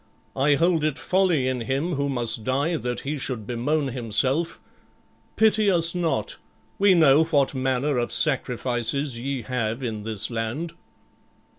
I hold it folly in him who must die that he should bemoan himself. Pity us not; we know what manner of sacrifices ye have in this land."